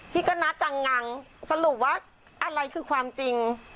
ที่ก็น่าจังงังสรุปว่าอะไรคือความจริง